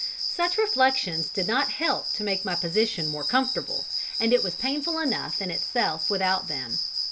Such reflections did not help to make my position more comfortable, and it was painful enough in itself without them.